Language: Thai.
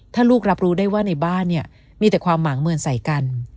ถ้าลูกรับรู้ได้ว่าในบ้านเนี่ยมีแต่ความหมางเหมือนใส่กัน